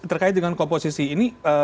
terkait dengan komposisi ini